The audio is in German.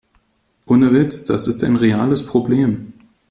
Ohne Witz, das ist ein reales Problem.